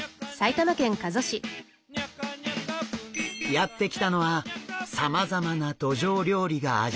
やって来たのはさまざまなドジョウ料理が味わえる店。